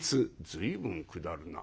「随分下るな」。